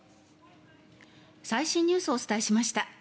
最新ニュースをお伝えしました。